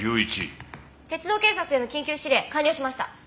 鉄道警察への緊急指令完了しました。